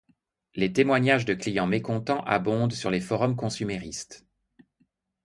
Les témoignages de clients mécontents abondent sur les forums consuméristes.